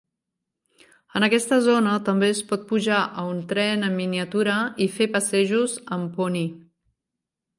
En aquesta zona també es pot pujar a un tren en miniatura i fer passejos en poni.